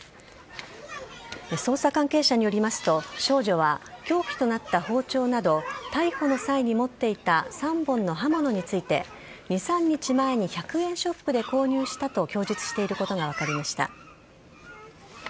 捜査関係者によりますと少女は凶器となった包丁など逮捕の際に持っていた３本の刃物について２３日前に１００円ショップで購入したと供述していることが分かりました。